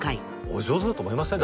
お上手だと思いません？